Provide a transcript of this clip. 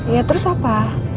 ya terus apa